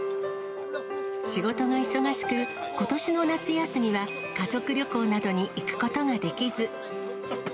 仕事が忙しく、ことしの夏休みは家族旅行などに行くことができず。